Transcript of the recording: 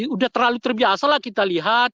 udah terlalu terbiasalah kita lihat